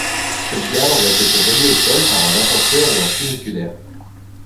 Cette gare aurait été reliée au col par un ascenseur ou un funiculaire.